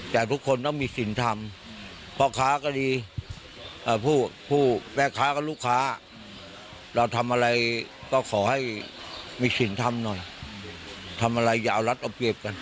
แต่ทุกคนต้องมีศิลธรรมเพราะค้าก็ดีผู้แป้ค้าก็ลูกค้าเราทำอะไรก็ขอให้มีศิลธรรมหน่อยทำอะไรอย่าเอารัดอบเกียบกัน